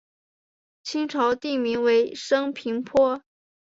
清朝定名为升平坡。